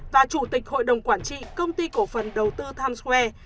và chủ tịch hội đồng quản trị công ty cổ phần đầu tư times square